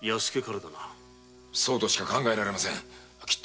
そうとしか考えられません。